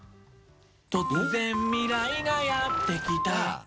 突然、未来がやってきた。